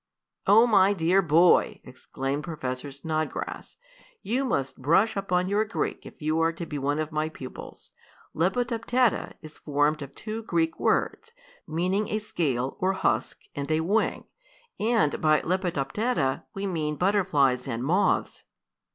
"Oh, my dear boy!" exclaimed Professor Snodgrass. "You must brush up on your Greek if you are to be one of my pupils. Lepidoptera is formed of two Greek words, meaning a scale, or husk, and a wing, and by lepidoptera we mean butterflies and moths."